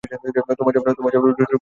তোমার জামায় রুটির টুকরো লেগে আছে।